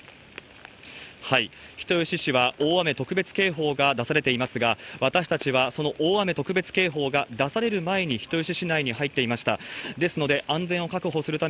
人吉市は大雨特別警報が出されていますが、私たちはその大雨特別警報が出される前に人吉市内に入っていました。